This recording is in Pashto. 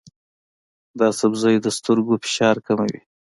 دا سبزی د سترګو فشار کموي.